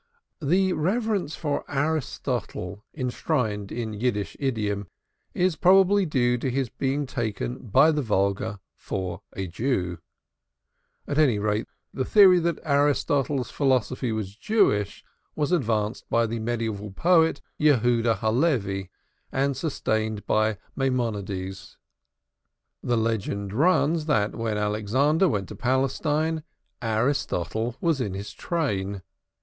The reverence for Aristotle enshrined in Yiddish idiom is probably due to his being taken by the vulgar for a Jew. At any rate the theory that Aristotle's philosophy was Jewish was advanced by the mediaeval poet, Jehuda Halevi, and sustained by Maimonides. The legend runs that when Alexander went to Palestine, Aristotle was in his train.